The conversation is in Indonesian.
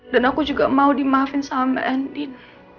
dan aku juga mau dimaafin sama mbak endin